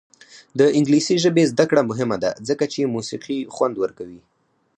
د انګلیسي ژبې زده کړه مهمه ده ځکه چې موسیقي خوند ورکوي.